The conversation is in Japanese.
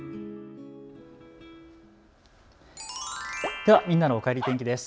ではみんなのおかえり天気です。